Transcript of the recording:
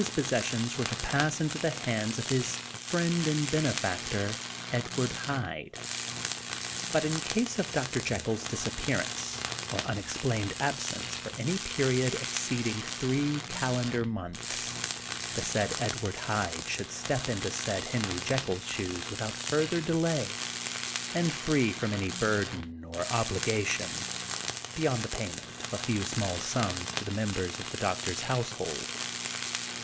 7 possessions were to pass into the hands of his " friend and benefactor, Edward Hyde ;" but in case of Dr. Jekyll's " disappearance or unexplained absence for any period exceed ing three calendar months, the said Ed ward Hyde should step into said Henry Jekyll's shoes without further delay, and free from any burden or obligation," beyond the payment of a few small sums to the members of the doctor's household.